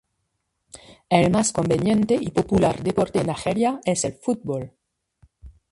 El más conveniente y popular deporte en Argelia es el fútbol.